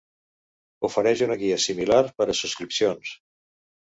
Ofereix una guia similar per a subscripcions.